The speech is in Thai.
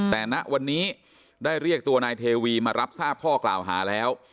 แต่ณวันนี้ได้เรียกตัวนายเทวีมารับทราบข้อกล่าวหาแล้ว